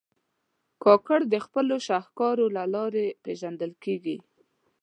کاکړ د خپلو شهکارو له لارې پېژندل کېږي.